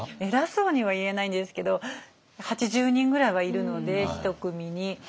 偉そうには言えないんですけど８０人ぐらいはいるので１組に。